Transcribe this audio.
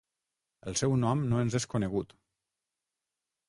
El seu nom no ens és conegut.